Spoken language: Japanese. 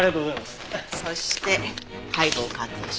そして解剖鑑定書。